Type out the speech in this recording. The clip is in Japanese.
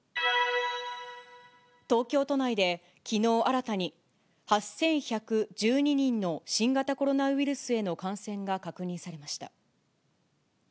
東京都内で、きのう新たに８１１２人の新型コロナウイルスへの感染が確認されました。